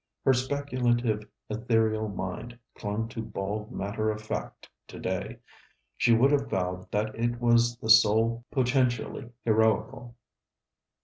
Her speculative ethereal mind clung to bald matter of fact to day. She would have vowed that it was the sole potentially heroical.